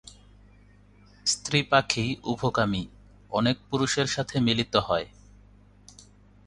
স্ত্রী পাখি উভকামী, অনেক পুরুষের সাথে মিলিত হয়।